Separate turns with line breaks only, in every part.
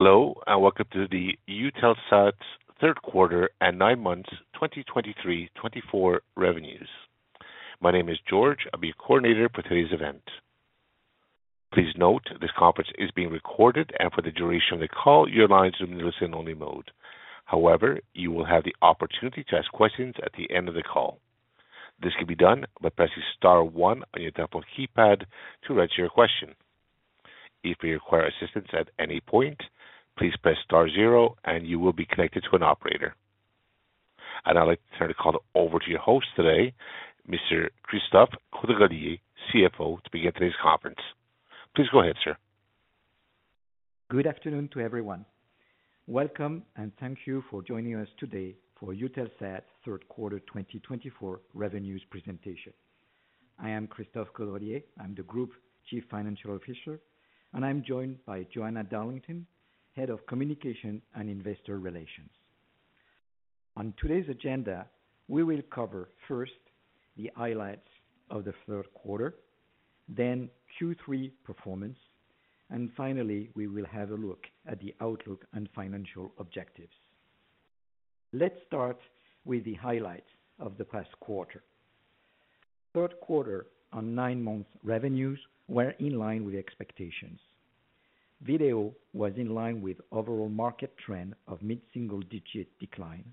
Hello, and welcome to the Eutelsat third quarter and nine months, 2023-2024 revenues. My name is George. I'll be your coordinator for today's event. Please note, this conference is being recorded, and for the duration of the call, your lines will be in listen-only mode. However, you will have the opportunity to ask questions at the end of the call. This can be done by pressing star one on your telephone keypad to register your question. If you require assistance at any point, please press star zero and you will be connected to an operator. I'd now like to turn the call over to your host today, Mr. Christophe Caudrelier, CFO, to begin today's conference. Please go ahead, sir.
Good afternoon to everyone. Welcome, and thank you for joining us today for Eutelsat third quarter 2024 revenues presentation. I am Christophe Caudrelier, I'm the Group Chief Financial Officer, and I'm joined by Joanna Darlington, Head of Communication and Investor Relations. On today's agenda, we will cover first, the highlights of the third quarter, then Q3 performance, and finally, we will have a look at the outlook and financial objectives. Let's start with the highlights of the past quarter. Third quarter and 9 months revenues were in line with expectations. Video was in line with overall market trend of mid-single-digit decline.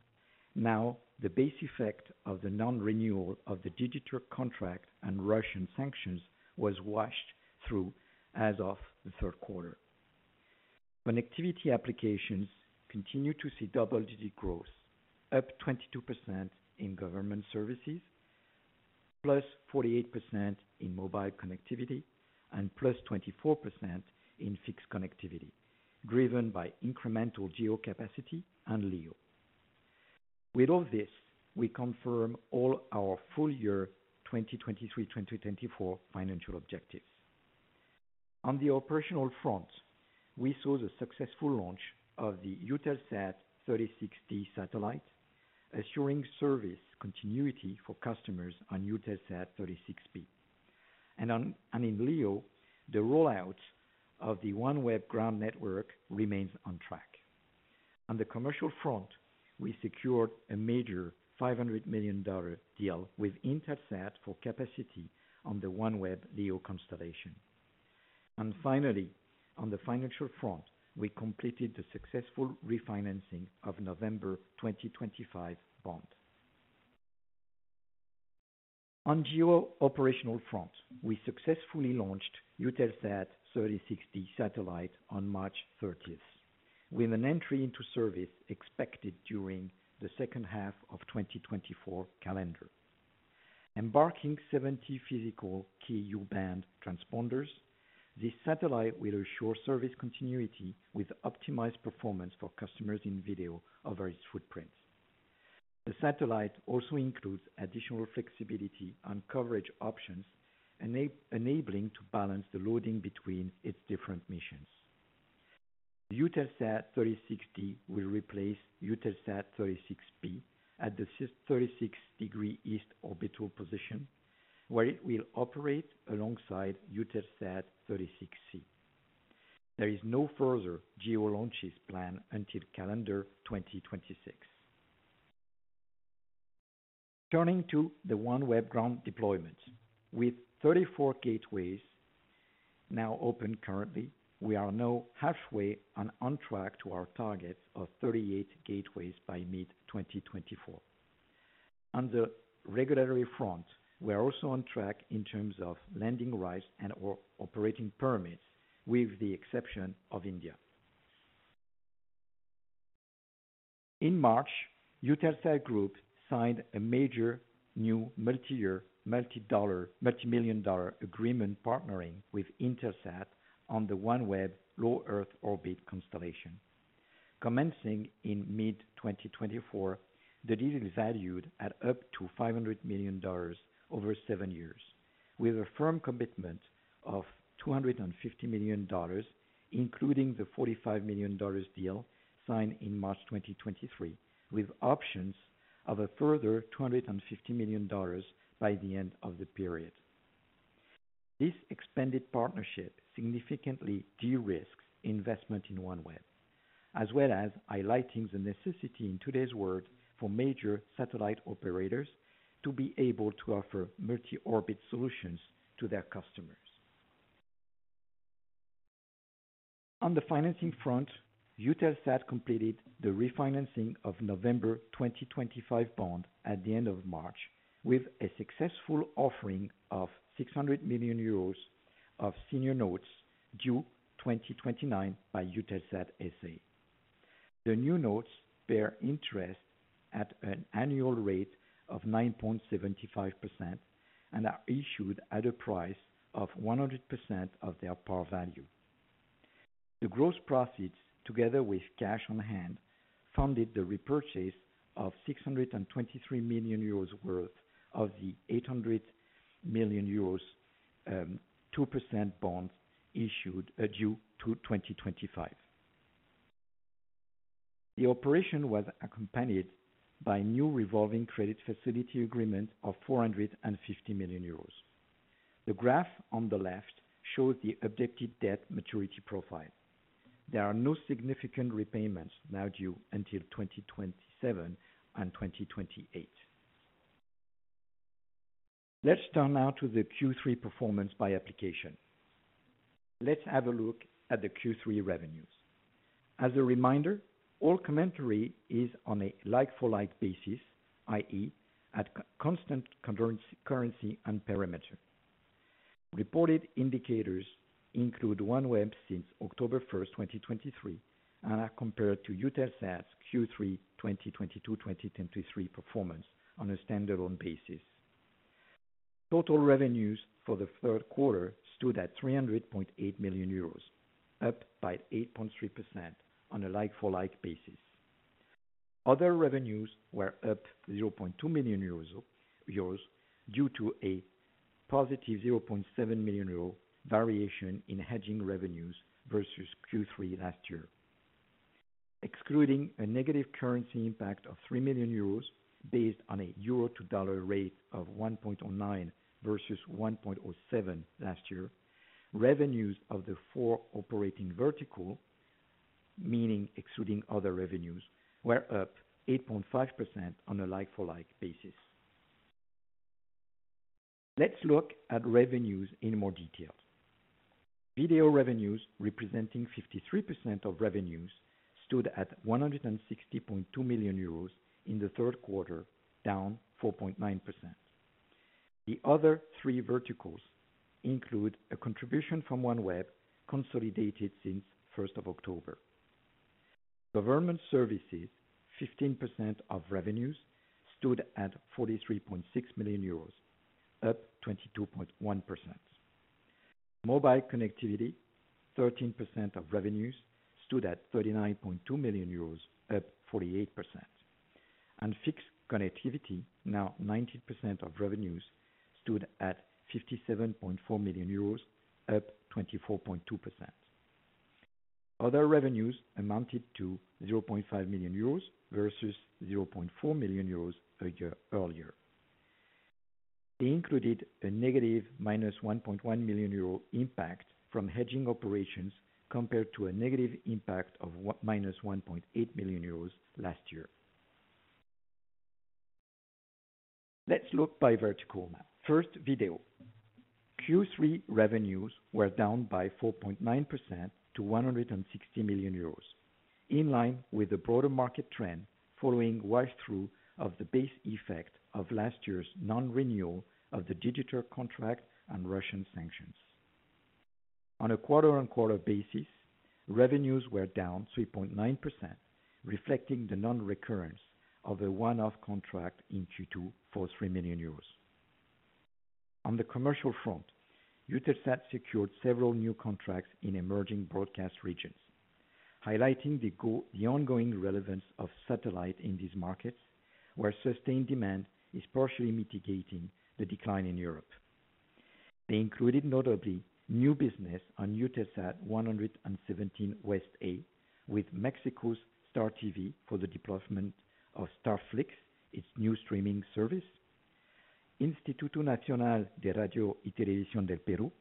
Now, the base effect of the non-renewal of the Digiturk contract and Russian sanctions was washed through as of the third quarter. Connectivity applications continue to see double-digit growth, up 22% in government services, +48% in mobile connectivity, and +24% in fixed connectivity, driven by incremental GEO capacity and LEO. With all this, we confirm all our full year 2023-2024 financial objectives. On the operational front, we saw the successful launch of the EUTELSAT 36D satellite, assuring service continuity for customers on EUTELSAT 36B. And in LEO, the rollout of the OneWeb ground network remains on track. On the commercial front, we secured a major $500 million deal with Intelsat for capacity on the OneWeb LEO constellation. And finally, on the financial front, we completed the successful refinancing of November 2025 bond. On GEO operational front, we successfully launched EUTELSAT 36D satellite on March 30th, with an entry into service expected during the second half of 2024 calendar. Embarking 70 physical Ku-band transponders, this satellite will assure service continuity with optimized performance for customers in video over its footprints. The satellite also includes additional flexibility on coverage options, enabling to balance the loading between its different missions. The EUTELSAT 36D will replace EUTELSAT 36B at the 36° East orbital position, where it will operate alongside EUTELSAT 36C. There is no further GEO launches planned until calendar 2026. Turning to the OneWeb ground deployment. With 34 gateways now open currently, we are now halfway and on track to our target of 38 gateways by mid-2024. On the regulatory front, we are also on track in terms of landing rights and or operating permits, with the exception of India. In March, Eutelsat Group signed a major new multi-year, multi-dollar, multi-million dollar agreement, partnering with Intelsat on the OneWeb low Earth orbit constellation. Commencing in mid-2024, the deal is valued at up to $500 million over 7 years, with a firm commitment of $250 million, including the $45 million deal signed in March 2023, with options of a further $250 million by the end of the period. This expanded partnership significantly de-risks investment in OneWeb, as well as highlighting the necessity in today's world for major satellite operators to be able to offer multi-orbit solutions to their customers. On the financing front, Eutelsat completed the refinancing of November 2025 bond at the end of March, with a successful offering of 600 million euros of senior notes due 2029 by Eutelsat S.A. The new notes bear interest at an annual rate of 9.75% and are issued at a price of 100% of their par value. The gross proceeds, together with cash on hand, funded the repurchase of 623 million euros worth of the 800 million euros, two percent bonds issued, due 2025. The operation was accompanied by new revolving credit facility agreement of 450 million euros. The graph on the left shows the updated debt maturity profile. There are no significant repayments now due until 2027 and 2028. Let's turn now to the Q3 performance by application. Let's have a look at the Q3 revenues. As a reminder, all commentary is on a like-for-like basis, i.e., at constant currency and perimeter. Reported indicators include OneWeb since October 1, 2023, and are compared to Eutelsat's Q3 2022/2023 performance on a standalone basis. Total revenues for the third quarter stood at 300.8 million euros, up by 8.3% on a like-for-like basis. Other revenues were up 0.2 million euros, due to a positive 0.7 million euro variation in hedging revenues versus Q3 last year. Excluding a negative currency impact of 3 million euros based on a euro to dollar rate of 1.09 versus 1.07 last year, revenues of the four operating vertical, meaning excluding other revenues, were up 8.5% on a like-for-like basis. Let's look at revenues in more detail. Video revenues, representing 53% of revenues, stood at 160.2 million euros in the third quarter, down 4.9%. The other three verticals include a contribution from OneWeb, consolidated since first of October. Government services, 15% of revenues, stood at 43.6 million euros, up 22.1%. Mobile connectivity, 13% of revenues, stood at 39.2 million euros, up 48%. And fixed connectivity, now 19% of revenues, stood at 57.4 million euros, up 24.2%. Other revenues amounted to 0.5 million euros versus 0.4 million euros a year earlier. They included a negative minus 1.1 million euro impact from hedging operations, compared to a negative impact of minus 1.8 million euros last year. Let's look by vertical now. First, video. Q3 revenues were down by 4.9% to 160 million euros, in line with the broader market trend following wash through of the base effect of last year's non-renewal of the Digiturk contract and Russian sanctions. On a quarter-on-quarter basis, revenues were down 3.9%, reflecting the non-recurrence of a one-off contract in Q2 for 3 million euros. On the commercial front, Eutelsat secured several new contracts in emerging broadcast regions, highlighting the ongoing relevance of satellite in these markets, where sustained demand is partially mitigating the decline in Europe. They included, notably, new business on EUTELSAT 117 West A, with Mexico's Star TV for the deployment of StarFlix, its new streaming service. Instituto Nacional de Radio y Televisión del Perú,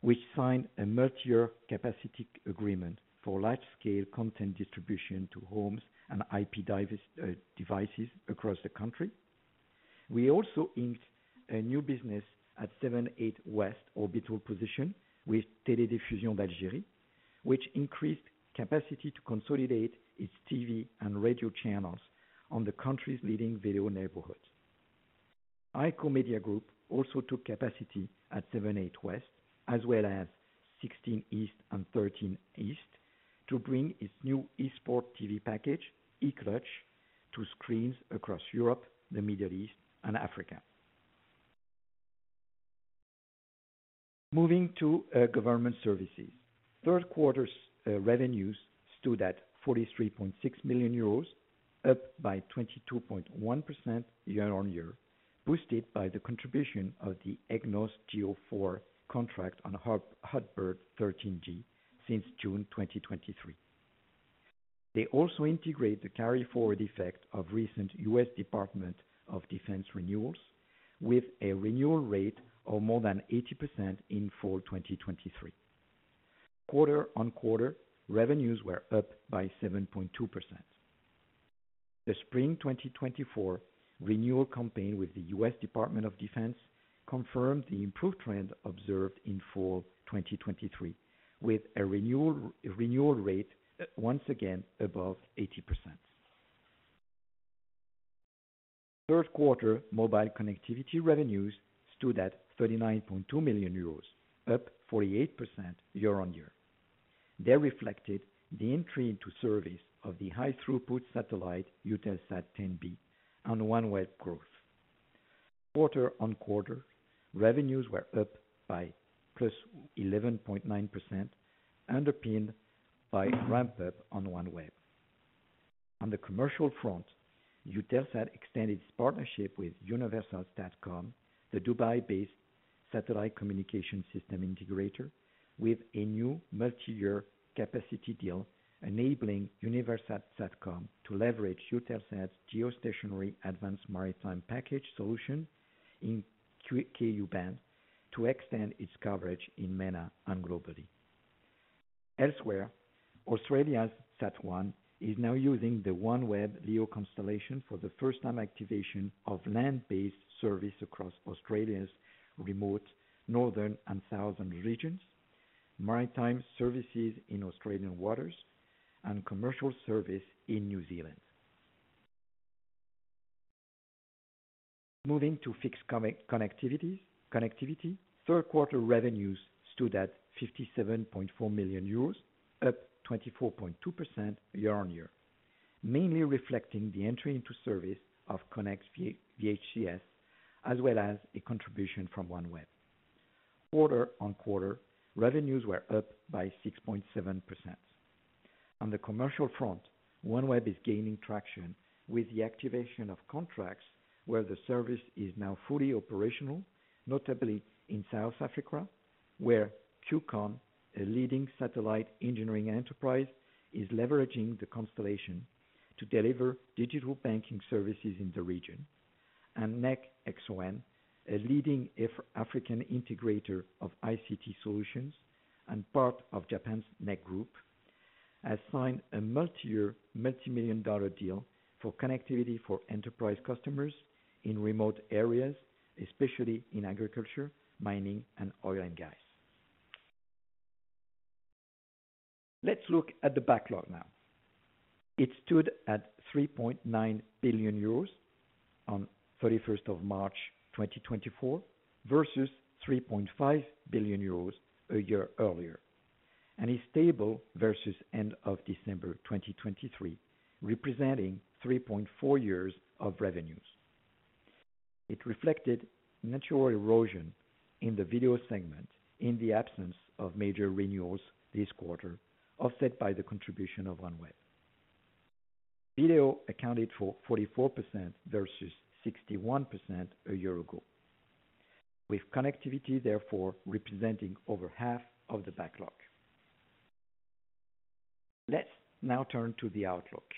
which signed a multi-year capacity agreement for large-scale content distribution to homes and IP devices across the country. We also inked a new business at 7/8° West orbital position with Télédiffusion d'Algérie, which increased capacity to consolidate its TV and radio channels on the country's leading video neighborhood. iKO Media Group also took capacity at 7/8° West, as well as 16° East and 13° East, to bring its new eSports TV package, eCLUTCH, to screens across Europe, the Middle East, and Africa. Moving to government services. Third quarter's revenues stood at 43.6 million euros, up by 22.1% year-on-year, boosted by the contribution of the EGNOS GEO4 contract on HOTBIRD 13G since June 2023. They also integrate the carry-forward effect of recent US Department of Defense renewals, with a renewal rate of more than 80% in fall 2023. Quarter-on-quarter, revenues were up by 7.2%. The spring 2024 renewal campaign with the US Department of Defense confirmed the improved trend observed in fall 2023, with a renewal rate once again above 80%. Third quarter mobile connectivity revenues stood at 39.2 million euros, up 48% year-on-year. They reflected the entry into service of the high-throughput satellite, EUTELSAT 10B, on OneWeb growth. Quarter-on-quarter, revenues were up by +11.9%, underpinned by ramp up on OneWeb. On the commercial front, Eutelsat extended its partnership with Universal Satcom, the Dubai-based-... satellite communication system integrator with a new multi-year capacity deal, enabling Universal Satcom to leverage Eutelsat's geostationary Advance Maritime package solution in Ku-band to extend its coverage in MENA and globally. Elsewhere, Australia's Sat One is now using the OneWeb LEO constellation for the first time activation of land-based service across Australia's remote northern and southern regions, maritime services in Australian waters, and commercial service in New Zealand. Moving to fixed connectivity. Third quarter revenues stood at 57.4 million euros, up 24.2% year-on-year, mainly reflecting the entry into service of Konnect VHTS, as well as a contribution from OneWeb. Quarter-on-quarter, revenues were up by 6.7%. On the commercial front, OneWeb is gaining traction with the activation of contracts, where the service is now fully operational, notably in South Africa, where Q-KON, a leading satellite engineering enterprise, is leveraging the constellation to deliver digital banking services in the region. NEC XON, a leading African integrator of ICT solutions and part of Japan's NEC Group, has signed a multi-year, multi-million-dollar deal for connectivity for enterprise customers in remote areas, especially in agriculture, mining, and oil and gas. Let's look at the backlog now. It stood at 3.9 billion euros on March 31, 2024, versus 3.5 billion euros a year earlier, and is stable versus end of December 2023, representing 3.4 years of revenues. It reflected natural erosion in the video segment in the absence of major renewals this quarter, offset by the contribution of OneWeb. Video accounted for 44% versus 61% a year ago, with connectivity therefore representing over half of the backlog. Let's now turn to the outlook.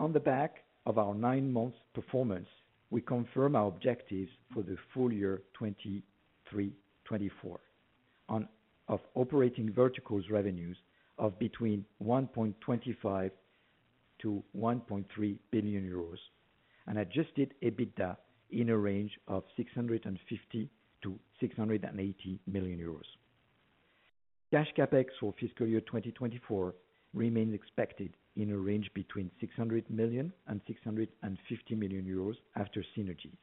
On the back of our nine-month performance, we confirm our objectives for the full year 2023-2024 on, of operating verticals revenues of between 1.25-1.3 billion euros, and Adjusted EBITDA in a range of 650-680 million euros. Cash CapEx for fiscal year 2024 remains expected in a range between 600 million and 650 million euros after synergies.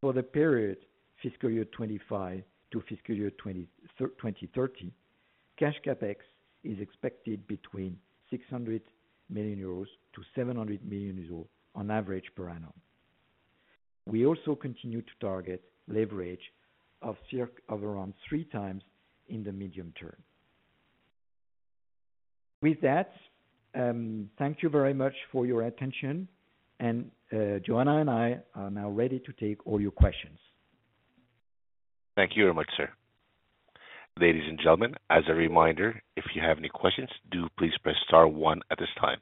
For the period fiscal year 2025 to fiscal year 2030, cash CapEx is expected between 600 million euros to 700 million euros on average per annum. We also continue to target leverage of of around 3 times in the medium term. With that, thank you very much for your attention, and, Joanna and I are now ready to take all your questions.
Thank you very much, sir. Ladies and gentlemen, as a reminder, if you have any questions, do please press star one at this time.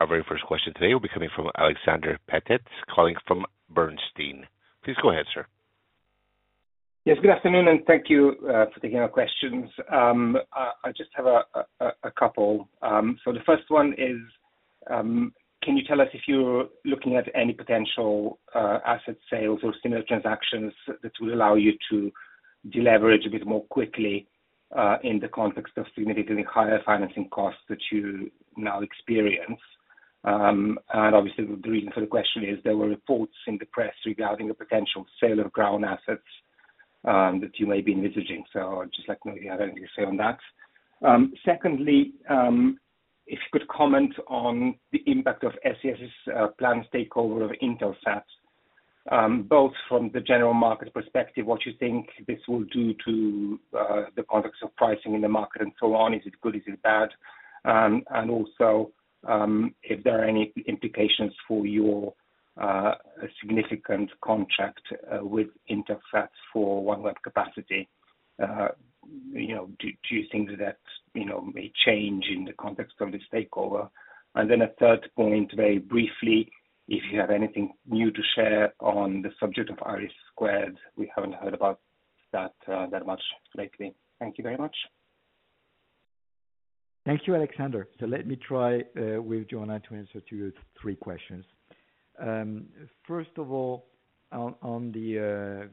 Our very first question today will be coming from Alexander Peterc, calling from Bernstein. Please go ahead, sir.
Yes, good afternoon, and thank you for taking our questions. I just have a couple. So the first one is, can you tell us if you're looking at any potential asset sales or similar transactions that will allow you to deleverage a bit more quickly, in the context of significantly higher financing costs that you now experience? And obviously, the reason for the question is there were reports in the press regarding a potential sale of ground assets that you may be envisaging. So just let me know if you have anything to say on that? Secondly, if you could comment on the impact of SES's planned takeover of Intelsat, both from the general market perspective, what you think this will do to the context of pricing in the market and so on. Is it good, is it bad? And also, if there are any implications for your significant contract with Intelsat for OneWeb capacity. You know, do you think that may change in the context of this takeover? And then a third point, very briefly, if you have anything new to share on the subject of IRIS², we haven't heard about that much lately. Thank you very much.
Thank you, Alexander. So let me try, with Joanna, to answer to your three questions. First of all, on, on the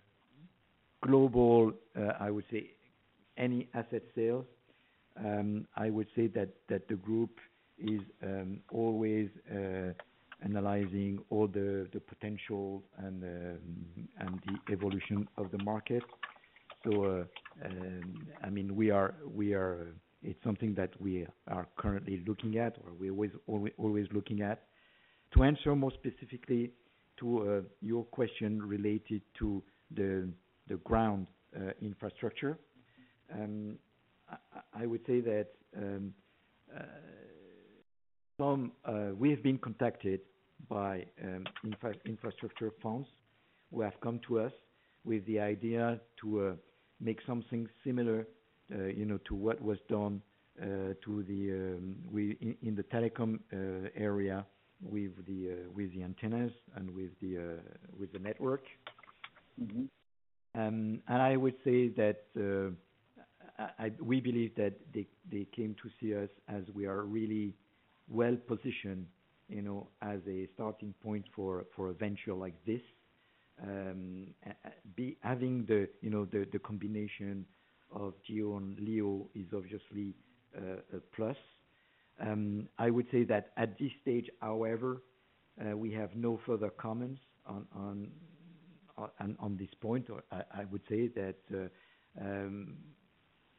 global, I would say any asset sales, I would say that, that the group is always analyzing all the, the potential and the, and the evolution of the market. So, I mean, we are, we are—It's something that we are currently looking at, or we're always, always looking at. To answer more specifically to your question related to the, the ground infrastructure, I would say that... We have been contacted by infrastructure funds, who have come to us with the idea to make something similar, you know, to what was done in the telecom area with the antennas and with the network. And I would say that we believe that they came to see us as we are really well-positioned, you know, as a starting point for a venture like this. Having the combination of GEO and LEO is obviously a plus. I would say that at this stage, however, we have no further comments on this point. I would say that,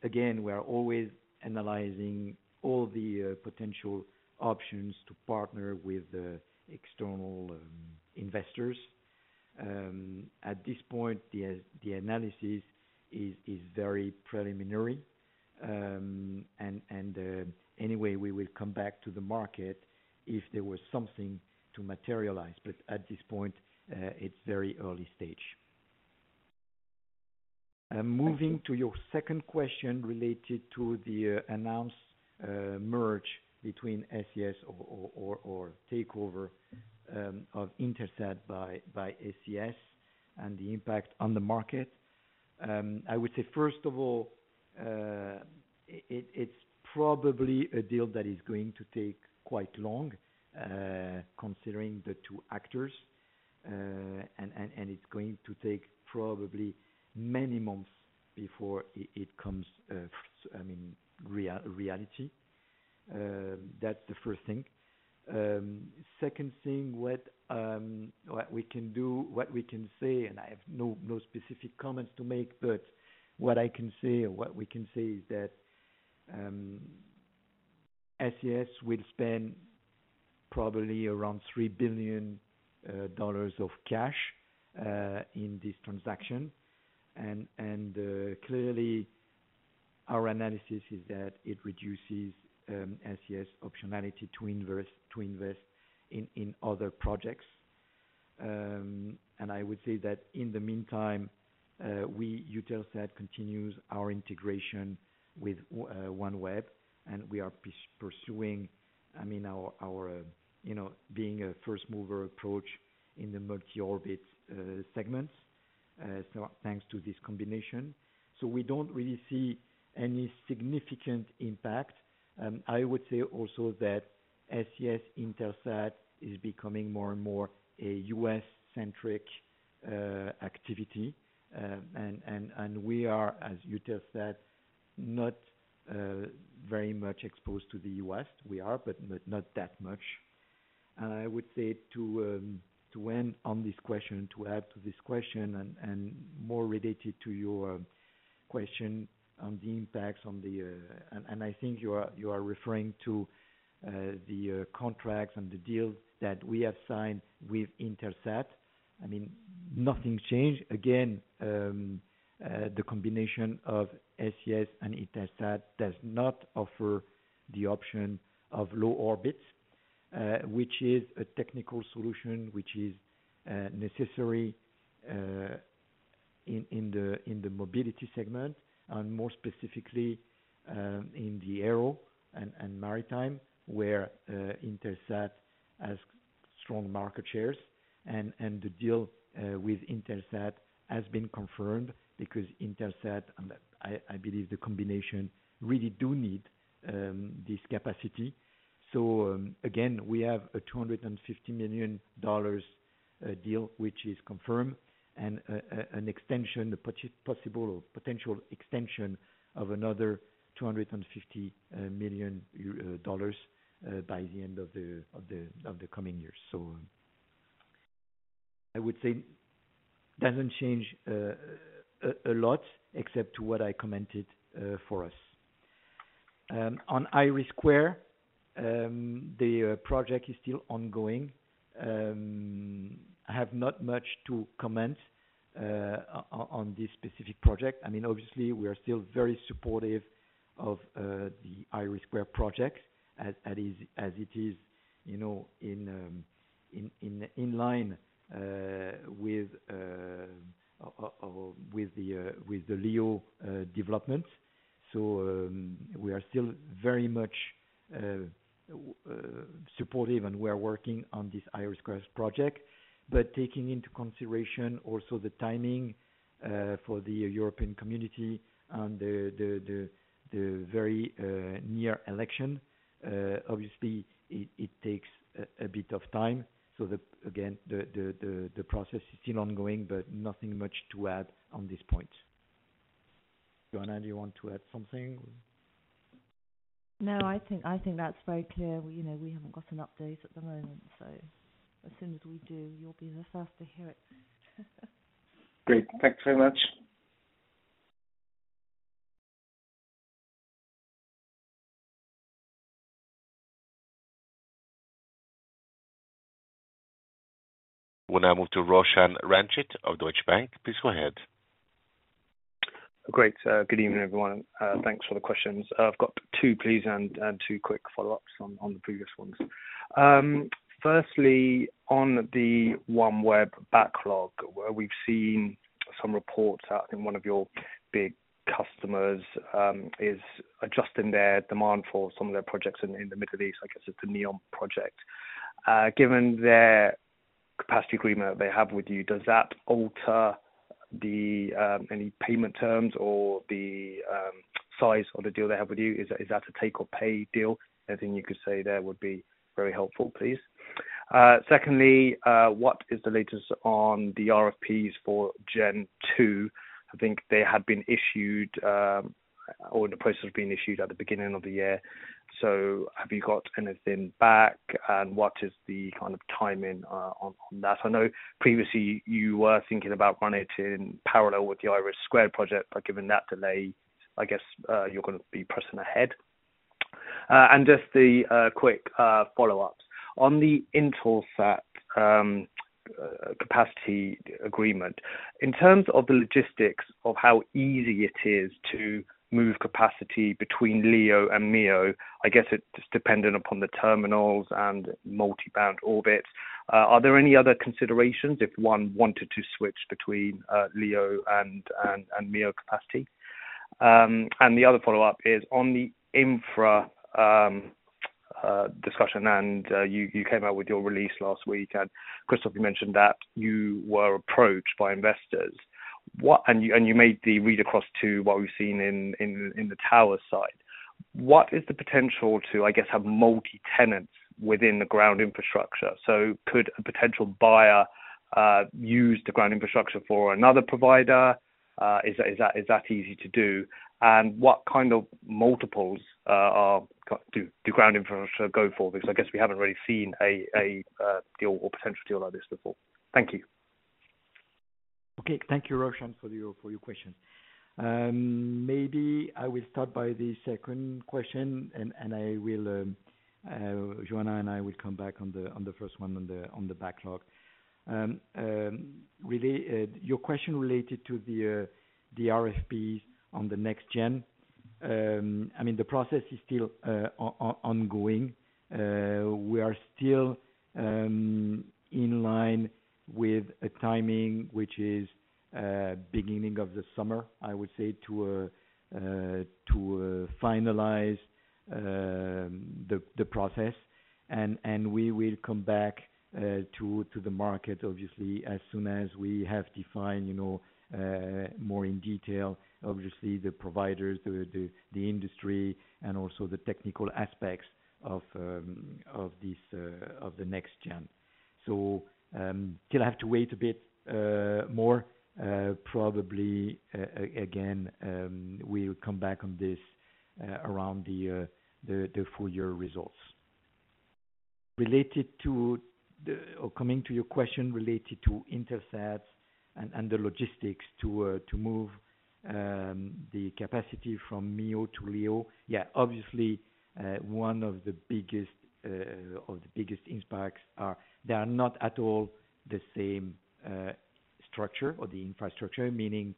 again, we are always analyzing all the potential options to partner with the external investors. At this point, the analysis is very preliminary. And anyway, we will come back to the market if there was something to materialize, but at this point, it's very early stage. Moving to your second question related to the announced merger between SES or takeover of Intelsat by SES and the impact on the market. I would say, first of all, it's probably a deal that is going to take quite long, considering the two actors. And it's going to take probably many months before it comes to reality. That's the first thing. Second thing, what we can do, what we can say, and I have no specific comments to make, but what I can say, or what we can say is that, SES will spend probably around $3 billion of cash in this transaction. And clearly, our analysis is that it reduces SES optionality to invest in other projects. And I would say that in the meantime, we, Eutelsat continues our integration with OneWeb, and we are pursuing, I mean, our, you know, being a first mover approach in the multi-orbit segments, so thanks to this combination. So we don't really see any significant impact. I would say also that SES Intelsat is becoming more and more a U.S.-centric activity. And we are, as Eutelsat, not very much exposed to the US. We are, but not that much. And I would say to end on this question, to add to this question, and more related to your question on the impacts on the... And I think you are referring to the contracts and the deals that we have signed with Intelsat. I mean, nothing's changed. Again, the combination of SES and Intelsat does not offer the option of low orbits, which is a technical solution, which is necessary in the mobility segment, and more specifically, in the aero and maritime, where Intelsat has strong market shares. And the deal with Intelsat has been confirmed, because Intelsat, and I, I believe the combination really do need this capacity. So, again, we have a $250 million deal, which is confirmed, and a, a, an extension, possible or potential extension of another $250 million by the end of the coming years. So I would say doesn't change a lot except to what I commented for us. On IRIS², the project is still ongoing. I have not much to comment on this specific project. I mean, obviously, we are still very supportive of the IRIS² project, as it is, as it is, you know, in line with of... With the LEO development. So, we are still very much supportive, and we are working on this IRIS² project. But taking into consideration also the timing for the European community and the very near election, obviously, it takes a bit of time. So again, the process is still ongoing, but nothing much to add on this point. Joanna, do you want to add something?
No, I think, I think that's very clear. You know, we haven't got an update at the moment, so as soon as we do, you'll be the first to hear it.
Great. Thanks very much. ...
We'll now move to Roshan Ranjit of Deutsche Bank. Please go ahead.
Great. Good evening, everyone. Thanks for the questions. I've got two please, and, and two quick follow-ups on, on the previous ones. Firstly, on the OneWeb backlog, where we've seen some reports out, and one of your big customers, is adjusting their demand for some of their projects in, in the Middle East, I guess it's the NEOM project. Given their capacity agreement they have with you, does that alter the, any payment terms or the, size of the deal they have with you? Is, is that a take or pay deal? Anything you could say there would be very helpful, please. Secondly, what is the latest on the RFPs for Gen 2? I think they had been issued, or the process had been issued at the beginning of the year. So have you got anything back, and what is the kind of timing on that? I know previously you were thinking about running it in parallel with the IRIS² project, but given that delay, I guess you're gonna be pressing ahead. And just the quick follow-up. On the Intelsat capacity agreement, in terms of the logistics of how easy it is to move capacity between LEO and MEO, I guess it's just dependent upon the terminals and multi-orbit. Are there any other considerations if one wanted to switch between LEO and MEO capacity? And the other follow-up is on the infra discussion, and you came out with your release last week, and Christophe, you mentioned that you were approached by investors. And you, and you made the read across to what we've seen in the tower side. What is the potential to, I guess, have multi-tenants within the ground infrastructure? So could a potential buyer use the ground infrastructure for another provider? Is that easy to do? And what kind of multiples do ground infrastructure go for? Because I guess we haven't really seen a deal or potential deal like this before. Thank you.
Okay, thank you, Roshan, for your question. Maybe I will start by the second question, and I will, Joanna and I will come back on the first one on the backlog. Your question related to the RFPs on the next gen. I mean, the process is still ongoing. We are still in line with a timing, which is beginning of the summer, I would say, to finalize the process. And we will come back to the market obviously, as soon as we have defined, you know, more in detail, obviously, the providers, the industry, and also the technical aspects of this of the next gen. So, you'll have to wait a bit more, probably again, we'll come back on this around the full year results. Coming to your question related to Intelsat and the logistics to move the capacity from MEO to LEO. Yeah, obviously, one of the biggest impacts are, they are not at all the same structure or the infrastructure. Meaning,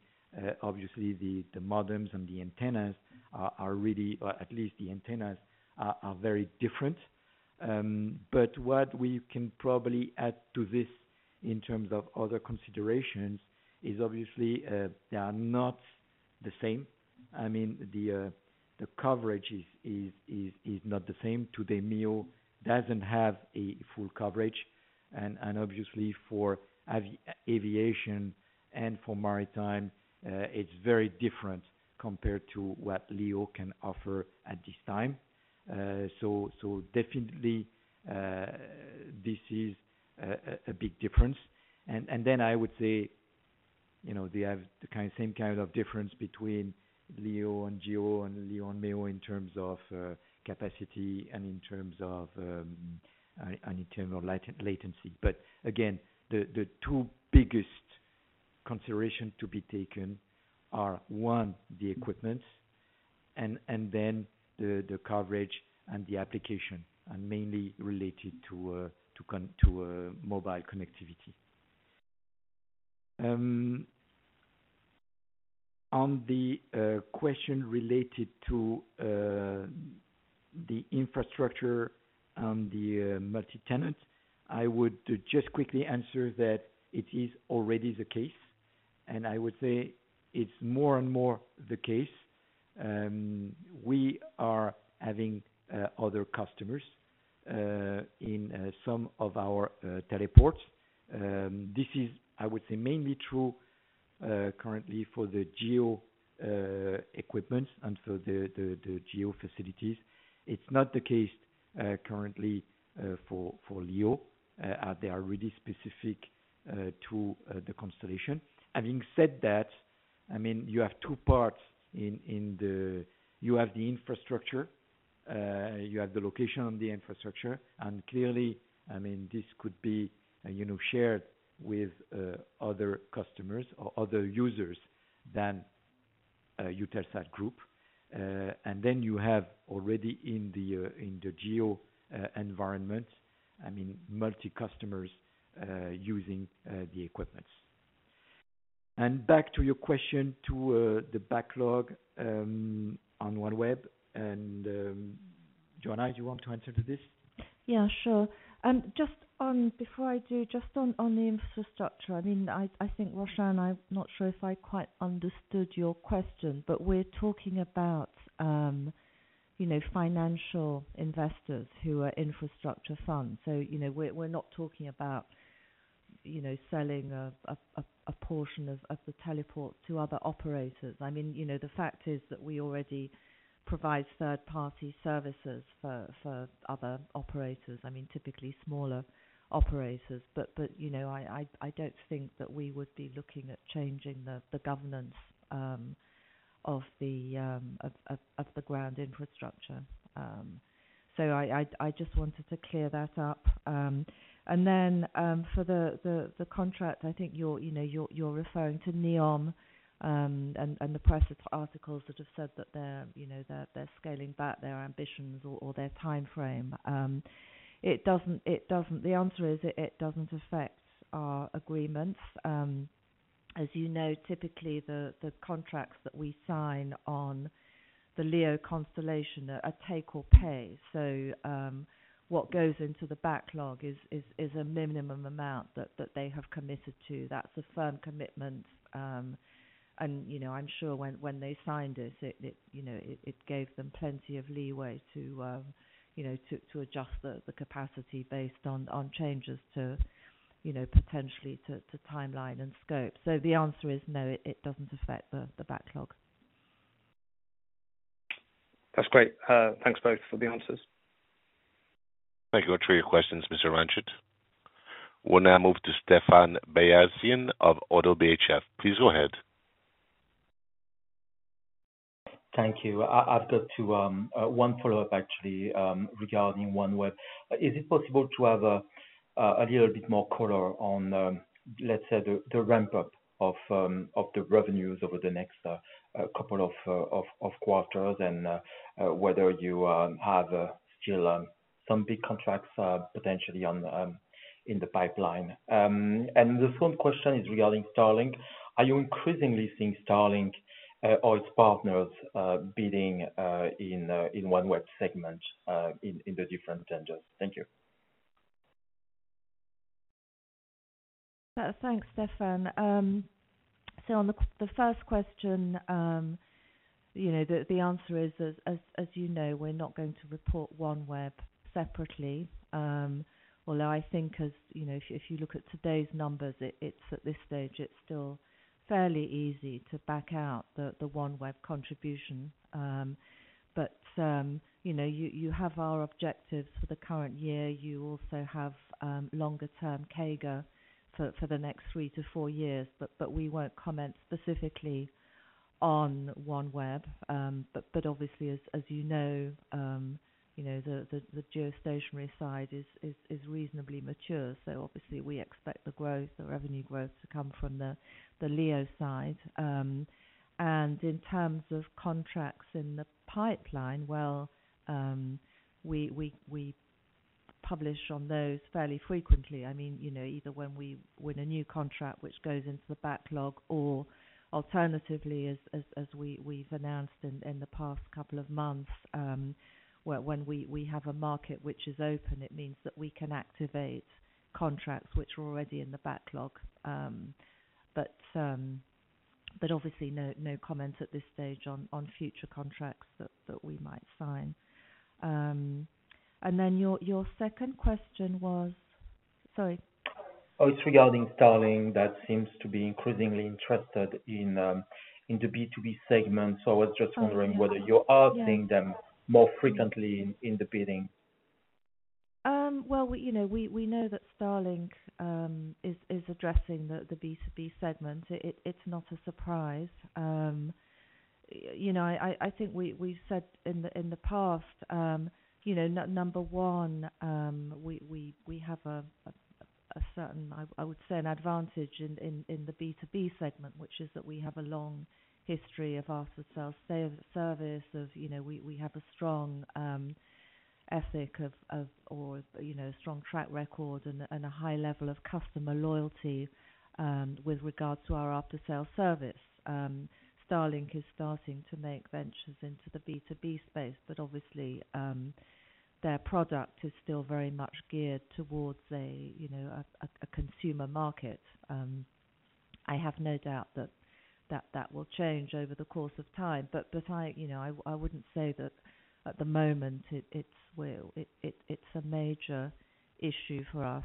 obviously, the modems and the antennas are really, or at least the antennas are very different. But what we can probably add to this in terms of other considerations is obviously, they are not the same. I mean, the coverage is not the same. Today, MEO doesn't have a full coverage, and obviously for aviation and for maritime, it's very different compared to what LEO can offer at this time. So definitely, this is a big difference. And then I would say, you know, they have the same kind of difference between LEO and GEO, and LEO and MEO in terms of capacity and in terms of latency. But again, the two biggest consideration to be taken are: one, the equipment, and then the coverage and the application, mainly related to mobile connectivity. On the question related to the infrastructure on the multi-tenant, I would just quickly answer that it is already the case, and I would say it's more and more the case. We are having other customers in some of our teleports. This is, I would say, mainly true currently for the GEO equipment and so the GEO facilities. It's not the case currently for LEO. They are really specific to the constellation. Having said that, I mean, you have two parts in the. You have the infrastructure, you have the location on the infrastructure, and clearly, I mean, this could be, you know, shared with other customers or other users than Eutelsat Group. And then you have already in the GEO environment, I mean, multi customers using the equipments. And back to your question to the backlog on OneWeb, and, Joanna, do you want to answer to this?
Yeah, sure. Just before I do, just on the infrastructure, I mean, I think, Roshan, I'm not sure if I quite understood your question, but we're talking about, you know, financial investors who are infrastructure funds. So, you know, we're not talking about, you know, selling a portion of the teleport to other operators. I mean, you know, the fact is that we already provide third-party services for other operators, I mean, typically smaller operators. But, you know, I don't think that we would be looking at changing the governance of the ground infrastructure. So, I just wanted to clear that up. And then, for the contract, I think you're, you know, referring to NEOM, and the press articles that have said that they're, you know, scaling back their ambitions or their timeframe. It doesn't... The answer is, it doesn't affect our agreements. As you know, typically the contracts that we sign on the LEO constellation are take or pay. So, what goes into the backlog is a minimum amount that they have committed to. That's a firm commitment. And, you know, I'm sure when they signed it, it, you know, it gave them plenty of leeway to, you know, to adjust the capacity based on changes to, you know, potentially to timeline and scope. So the answer is no, it doesn't affect the backlog.
That's great. Thanks both for the answers.
Thank you for your questions, Mr. Ranchod. We'll now move to Stéphane Beyazian of Oddo BHF. Please go ahead.
Thank you. I've got one follow-up, actually, regarding OneWeb. Is it possible to have a little bit more color on, let's say, the ramp-up of the revenues over the next couple of quarters, and whether you have still some big contracts potentially in the pipeline? And the second question is regarding Starlink. Are you increasingly seeing Starlink or its partners bidding in the OneWeb segment in the different tenders? Thank you.
Thanks, Stéphane. So on the first question, you know, the answer is as you know, we're not going to report OneWeb separately. Although I think as you know, if you look at today's numbers, it's at this stage still fairly easy to back out the OneWeb contribution. But you know, you have our objectives for the current year. You also have longer term CAGR for the next three to four years, but we won't comment specifically on OneWeb. But obviously, as you know, you know, the geostationary side is reasonably mature, so obviously we expect the growth, the revenue growth to come from the LEO side. And in terms of contracts in the pipeline, well, we publish on those fairly frequently. I mean, you know, either when we win a new contract which goes into the backlog, or alternatively, as we've announced in the past couple of months, when we have a market which is open, it means that we can activate contracts which are already in the backlog. But obviously, no comment at this stage on future contracts that we might sign. And then your second question was? Sorry.
Oh, it's regarding Starlink, that seems to be increasingly interested in the B2B segment.
Oh, yeah.
I was just wondering whether you are seeing them-
Yeah.
more frequently in the bidding.
Well, we, you know, we know that Starlink is addressing the B2B segment. It's not a surprise. You know, I think we said in the past, you know, number one, we have a certain... I would say, an advantage in the B2B segment, which is that we have a long history of after sales service, you know, we have a strong ethic of, or, you know, strong track record and a high level of customer loyalty with regards to our after sale service. Starlink is starting to make ventures into the B2B space, but obviously, their product is still very much geared towards a consumer market. I have no doubt that will change over the course of time. But I, you know, wouldn't say that at the moment, it's, well, it's a major issue for us.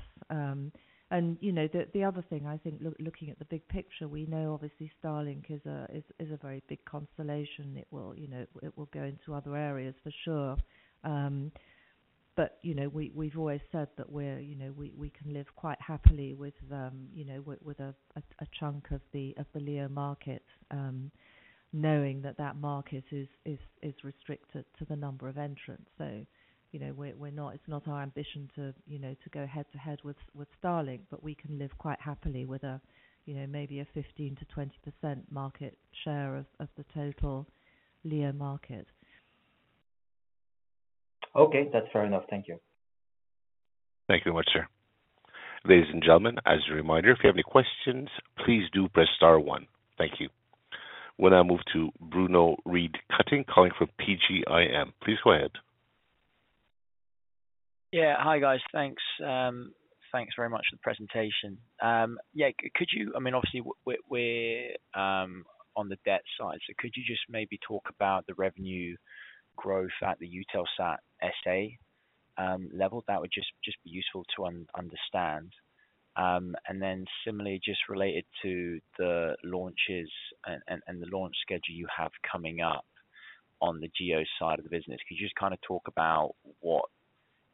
And, you know, the other thing, I think, looking at the big picture, we know obviously Starlink is a very big constellation. It will, you know, it will go into other areas for sure. But, you know, we've always said that we're, you know, we can live quite happily with a chunk of the LEO market, knowing that that market is restricted to the number of entrants. So, you know, we're not. It's not our ambition to, you know, to go head to head with Starlink, but we can live quite happily with a, you know, maybe a 15%-20% market share of the total LEO market. ...
Okay, that's fair enough. Thank you.
Thank you very much, sir. Ladies and gentlemen, as a reminder, if you have any questions, please do press star one. Thank you. We'll now move to Ben Reed-Cutting, calling from PGIM. Please go ahead.
Yeah. Hi, guys. Thanks, thanks very much for the presentation. Yeah, could you—I mean, obviously, we're on the debt side, so could you just maybe talk about the revenue growth at the Eutelsat S.A. level? That would just be useful to understand. And then similarly, just related to the launches and the launch schedule you have coming up on the GEO side of the business, could you just kind of talk about what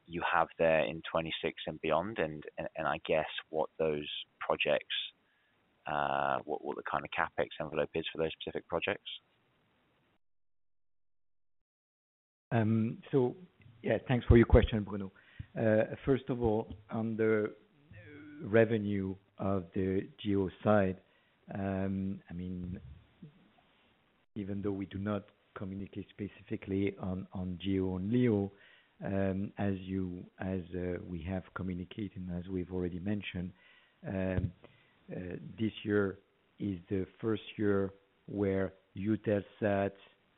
you have there in 2026 and beyond? And I guess what those projects, what the kind of CapEx envelope is for those specific projects.
So yeah, thanks for your question, Bruno. First of all, on the revenue of the GEO side, I mean, even though we do not communicate specifically on GEO and LEO, as we have communicated and as we've already mentioned, this year is the first year where Eutelsat,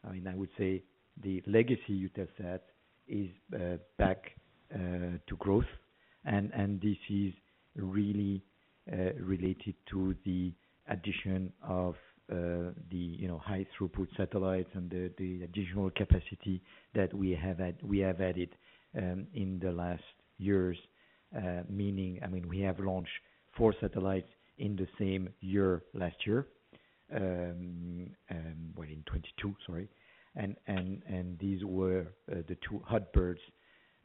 I mean, I would say the legacy Eutelsat, is back to growth. And this is really related to the addition of the, you know, high throughput satellites and the additional capacity that we have added in the last years. Meaning, I mean, we have launched four satellites in the same year, last year, well, in 2022, sorry. And these were the two Hotbirds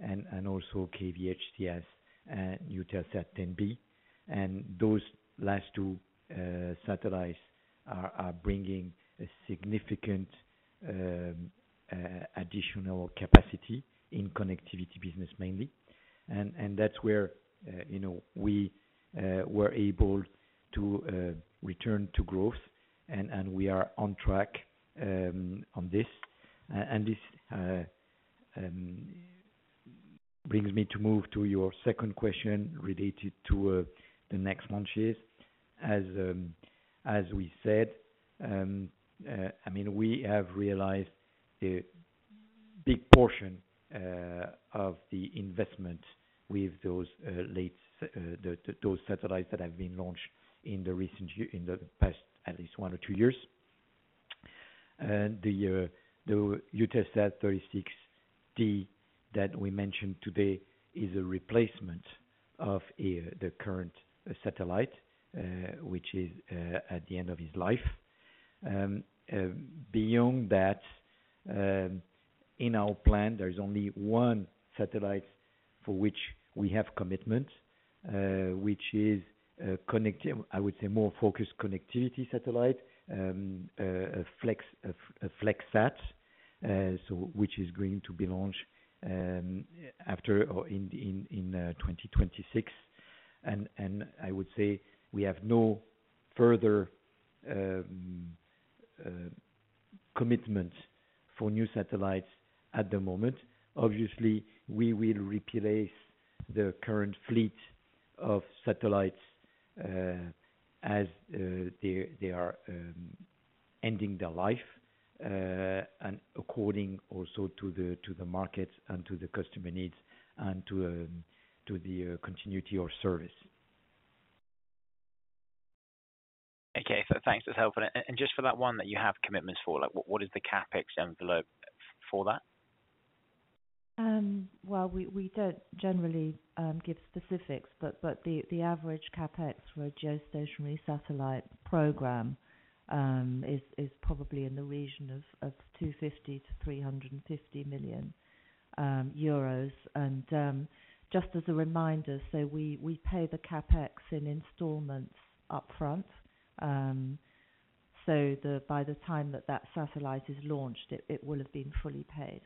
and also Konnect VHTS and Eutelsat 10B. Those last two satellites are bringing a significant additional capacity in connectivity business mainly. And that's where, you know, we were able to return to growth, and we are on track on this. And this brings me to move to your second question related to the next launches. As we said, I mean, we have realized a big portion of the investment with those lately satellites that have been launched in the recent year, in the past, at least one or two years. And the Eutelsat 36D that we mentioned today is a replacement of the current satellite, which is at the end of its life. Beyond that, in our plan, there's only one satellite for which we have commitment, which is—I would say more focused connectivity satellite—a FlexSat. So which is going to be launched after or in 2026. And I would say we have no further commitment for new satellites at the moment. Obviously, we will replace the current fleet of satellites as they are ending their life, and according also to the markets and to the customer needs, and to the continuity of service.
Okay. So thanks, that's helpful. And just for that one that you have commitments for, like, what is the CapEx envelope for that?
Well, we don't generally give specifics, but the average CapEx for a geostationary satellite program is probably in the region of 250 million-350 million euros. And, just as a reminder, so we pay the CapEx in installments upfront. So by the time that that satellite is launched, it will have been fully paid.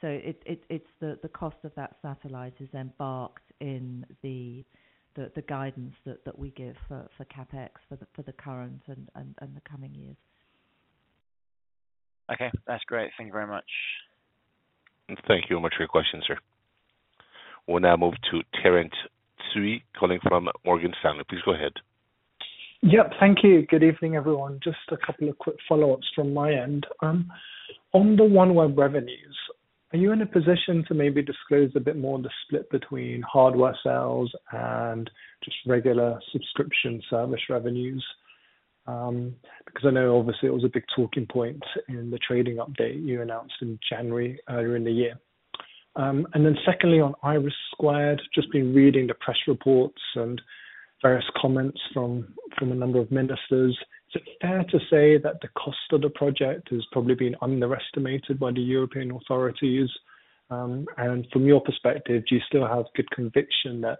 So it's the cost of that satellite is embarked in the guidance that we give for CapEx for the current and the coming years.
Okay. That's great. Thank you very much.
Thank you very much for your question, sir. We'll now move to Terence Tsui, calling from Morgan Stanley. Please go ahead.
Yep. Thank you. Good evening, everyone. Just a couple of quick follow-ups from my end. On the OneWeb revenues, are you in a position to maybe disclose a bit more on the split between hardware sales and just regular subscription service revenues? Because I know obviously, it was a big talking point in the trading update you announced in January, earlier in the year. And then secondly, on IRIS², just been reading the press reports and various comments from a number of ministers. Is it fair to say that the cost of the project has probably been underestimated by the European authorities? And from your perspective, do you still have good conviction that,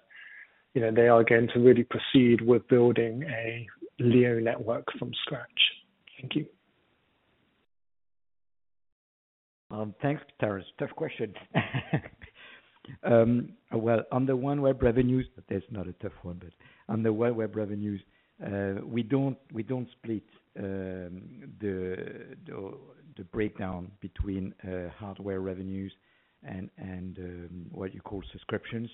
you know, they are going to really proceed with building a LEO network from scratch? Thank you.
Thanks, Terence. Tough question. Well, on the OneWeb revenues, that's not a tough one, but on the OneWeb revenues, we don't split the breakdown between hardware revenues and what you call subscriptions.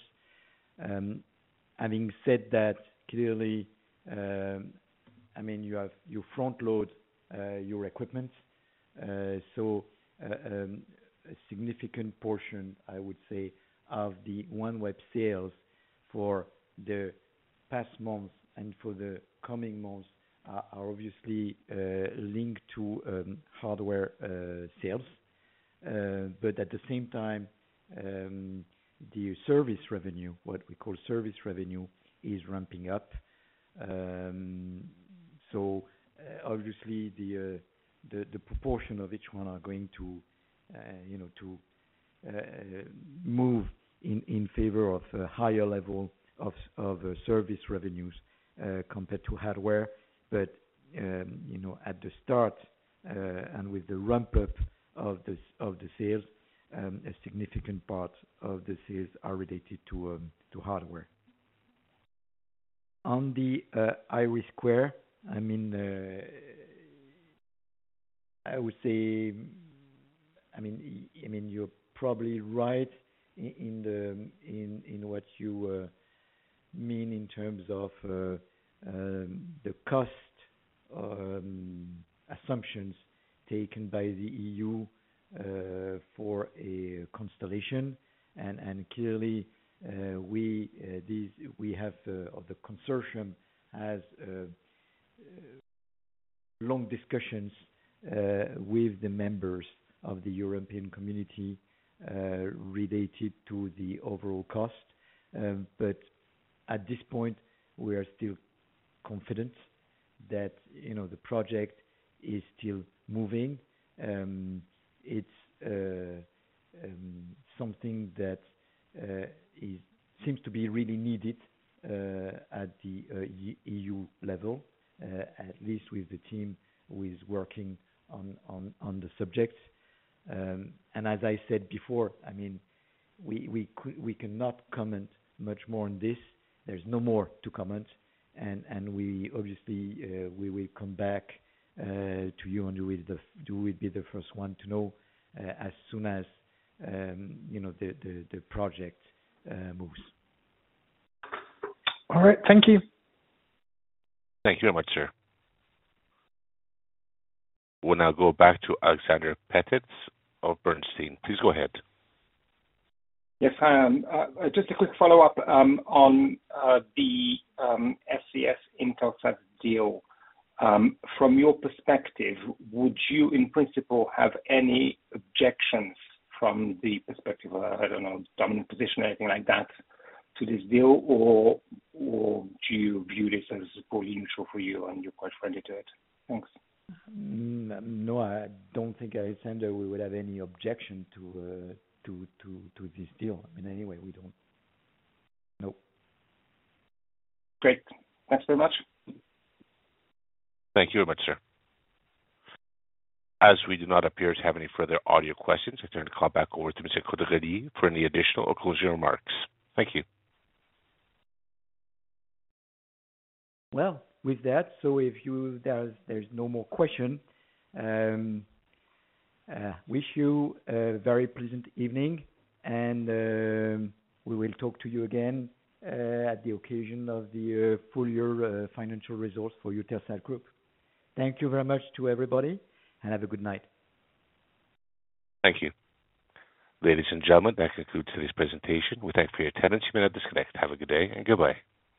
Having said that, clearly, I mean, you front load your equipment. So, a significant portion, I would say, of the OneWeb sales for the past months and for the coming months are obviously linked to hardware sales. But at the same time, the service revenue, what we call service revenue, is ramping up. So, obviously the proportion of each one are going to, you know, move in favor of a higher level of service revenues compared to hardware. But you know, at the start, and with the ramp up of the sales, a significant part of the sales are related to hardware. On the IRIS², I mean, I would say, I mean, you're probably right in what you mean in terms of the cost assumptions taken by the EU for a constellation. And clearly, the consortium has long discussions with the members of the European community related to the overall cost. But at this point, we are still confident that, you know, the project is still moving. It's something that is seems to be really needed at the EU level, at least with the team who is working on the subject. And as I said before, I mean, we cannot comment much more on this. There's no more to comment, and we obviously will come back to you, and you will be the first one to know as soon as you know the project moves.
All right. Thank you.
Thank you very much, sir. We'll now go back to Alexander Peterc of Bernstein. Please go ahead.
Yes, just a quick follow-up on the SES Intelsat deal. From your perspective, would you, in principle, have any objections from the perspective of, I don't know, dominant position or anything like that, to this deal? Or do you view this as probably initial for you and you're quite friendly to it? Thanks.
No, I don't think, Alexander, we would have any objection to this deal in any way. We don't. Nope.
Great. Thanks very much.
Thank you very much, sir. As we do not appear to have any further audio questions, I turn the call back over to Mr. Caudrelier for any additional or closing remarks. Thank you.
Well, with that, so if there's no more question, wish you a very pleasant evening, and we will talk to you again at the occasion of the full year financial results for Eutelsat Group. Thank you very much to everybody, and have a good night.
Thank you. Ladies and gentlemen, that concludes today's presentation. We thank you for your attendance. You may now disconnect. Have a good day and goodbye.